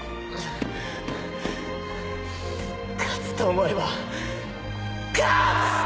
勝つと思えば勝つ‼